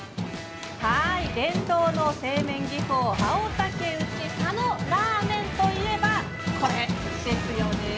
伝統の製麺技巧、青竹打ち佐野ラーメンといえばこれですよね。